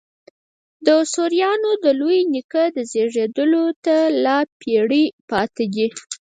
د سوریانو د لوی نیکه زېږېدلو ته لا پېړۍ پاته دي.